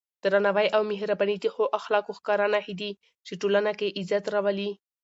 درناوی او مهرباني د ښو اخلاقو ښکاره نښې دي چې ټولنه کې عزت راولي.